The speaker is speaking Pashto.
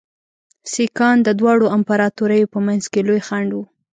سیکهان د دواړو امپراطوریو په منځ کې لوی خنډ وو.